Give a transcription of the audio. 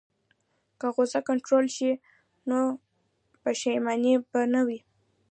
که غوسه کنټرول شي، نو پښیماني به نه وي.